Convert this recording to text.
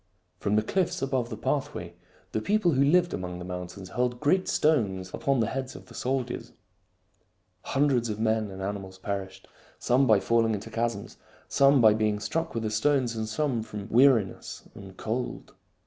From the cliffs above the pathway, the people HANNIBAL, THE HERO OF CARTHAGE 211 who lived among the mountains hurled great stones upon the heads of the soldiers. Hundreds of men and animals perished, some by falling into chasms, some by being struck with the stones, and some from weariness and cold.